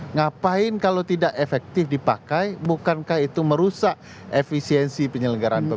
ngapain kalau tidak efektif dipakai bukankah itu merusak efisiensi penyelenggaraan pemilu